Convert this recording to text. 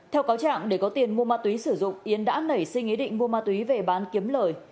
theo cáo trạng để có tiền mua ma túy sử dụng yến đã nảy sinh ý định mua ma túy về bán kiếm lời